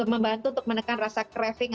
membantu untuk menekan rasa craving